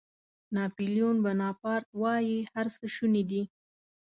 ناپیلیون بناپارټ وایي هر څه شوني دي.